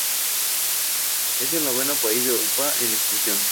Es el noveno país de Europa en extensión.